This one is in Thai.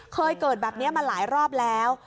เคยเกิดแบบนี้มาหลายรอบแล้ว